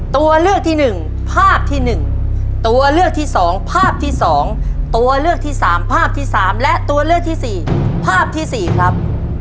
ตัวเลือกที่๑ภาพที่๑ตัวเลือกที่๒ภาพที่๒ตัวเลือกที่๓ภาพที่๓และตัวเลือกที่๔ภาพที่๔ครับ